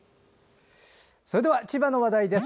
それでは千葉の話題です。